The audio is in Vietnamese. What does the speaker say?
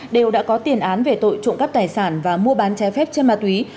đều đã có tiền án về tội trộm cắp tài sản và mua bán trái phép chân ma túy